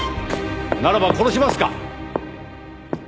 ならば殺しますか？